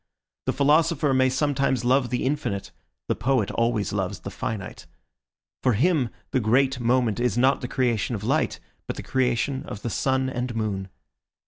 The philosopher may sometimes love the infinite; the poet always loves the finite. For him the great moment is not the creation of light, but the creation of the sun and moon.